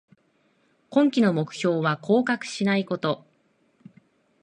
今季の目標は降格しないこと